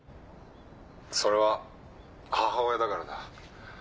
それは母親だからだ。